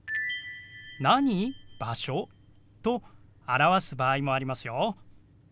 「何場所？」と表す場合もありますよ。